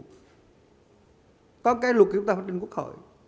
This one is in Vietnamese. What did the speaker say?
có cái luật chúng ta phải trình quốc hội